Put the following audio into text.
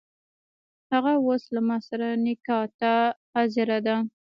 هغه اوس له ماسره نکاح ته حاضره ده.